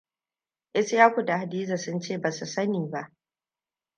Ishaku da Hadiza sun ce ba su sani ba.